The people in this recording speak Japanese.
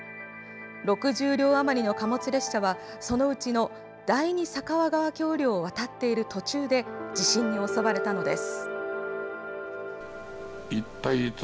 ６０両余りの貨物列車はそのうちの第二酒匂川橋りょうを渡っている途中で地震に襲われたのです。